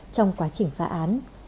trong quá trình phá án